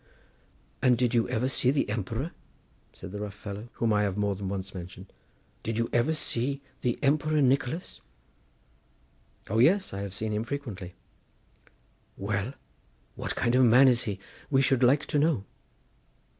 "And did you ever see the Emperor?" said the rough fellow, whom I have more than once mentioned, "did you ever see the Emperor Nicholas?" "O yes; I have seen him frequently." "Well, what kind of a man is he? we should like to know."